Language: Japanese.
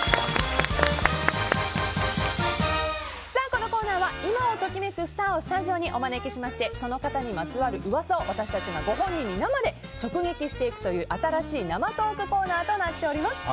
このコーナーは今を時めくスターをスタジオにお招きしてその方にまつわる噂を我々が、ご本人に生で直撃していくという新しい生トークコーナーとなっております。